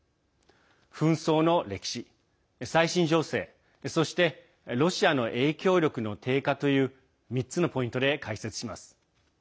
紛争の歴史、最新情勢、そしてロシアの影響力の低下という３つのポイントで解説します。